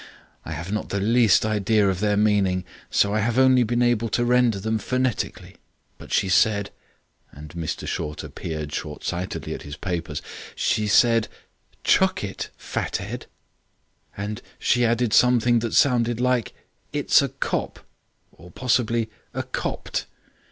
I have not the least idea of their meaning; so I have only been able to render them phonetically. But she said," and Mr Shorter peered short sightedly at his papers, "she said: 'Chuck it, fat 'ead,' and she added something that sounded like 'It's a kop', or (possibly) 'a kopt'.